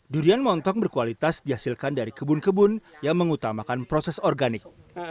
durian montong berkualitas dihasilkan dari kebun kebun yang mengutamakan proses organik